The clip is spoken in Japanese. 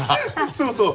そうそう！